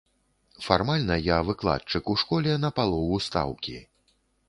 Фармальна, я выкладчык у школе на палову стаўкі.